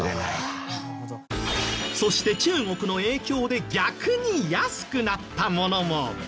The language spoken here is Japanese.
そして中国の影響で逆に安くなったものも。